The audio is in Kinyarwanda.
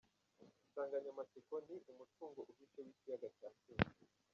Insanganyamatsiko ni: “Umutungo uhishe w’Ikiyaga cya Kivu.